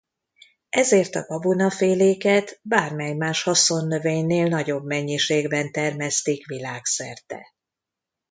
Ezért a gabonaféléket bármely más haszonnövénynél nagyobb mennyiségben termesztik világszerte.